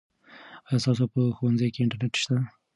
آیا ستاسو په ښوونځي کې انټرنیټ شته؟